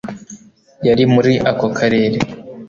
yari muri ako karere